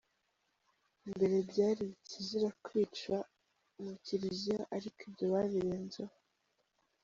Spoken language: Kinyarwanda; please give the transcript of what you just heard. Mbere byari ikizira kwica mu kiliziya, ariko ibyo babirenzeho…”.